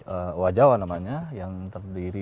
owa jawa namanya yang terdiri